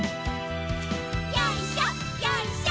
よいしょよいしょ。